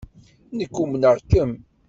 Nekk umneɣ-kem.